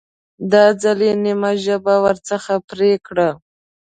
دا ځل یې نیمه ژبه ورڅخه پرې کړه.